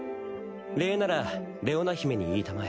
礼ならレオナ姫に言いたまえ。